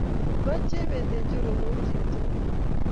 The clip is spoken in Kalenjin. Nwach Chebet eng choronokchik tugul